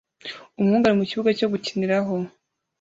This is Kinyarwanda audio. Umuhungu ari mukibuga cyo gukiniraho